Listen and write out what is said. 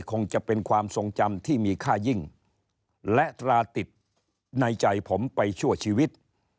คงจะเป็นความทรงจำที่มีค่ายิ่งและตราติดในใจผมไปชั่วชีวิต